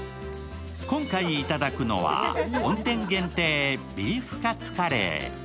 今回頂くのは、本店限定ビーフカツカレー。